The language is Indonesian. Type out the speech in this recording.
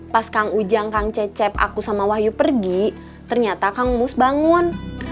pas kang ujang kang cecep aku sama wahyu pergi ternyata kang mus bangun